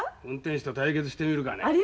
運転手と対決してみるかね。